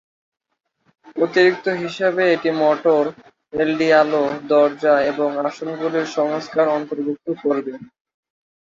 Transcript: অতিরিক্ত হিসাবে এটি মোটর, এলইডি আলো, দরজা এবং আসনগুলির সংস্কার অন্তর্ভুক্ত করবে।